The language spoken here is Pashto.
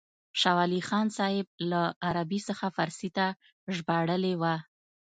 شاه ولي الله صاحب له عربي څخه فارسي ته ژباړلې وه.